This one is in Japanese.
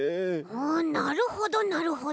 あなるほどなるほど。